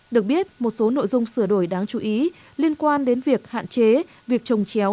được biết một số nội dung sửa đổi đáng chú ý liên quan đến việc hạn chế việc trồng chéo